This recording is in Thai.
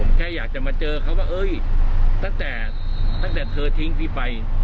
ผมแค่อยากจะมาเจอเขาว่าเอ้ยตั้งแต่ตั้งแต่เธอทิ้งพี่ไป